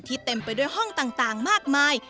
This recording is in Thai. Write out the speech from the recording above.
เต็มไปด้วยห้องต่างมากมาย